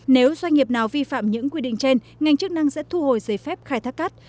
nếu doanh nghiệp nào vi phạm những quy định trên ngành chức năng sẽ thu hồi giấy phép khai thác cát